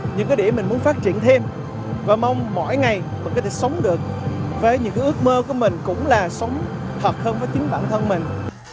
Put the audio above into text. những cái để mình muốn phát triển thêm và mong mỗi ngày mình có thể sống được với những cái ước mơ của mình cũng là sống hợp hơn với chính bản thân mình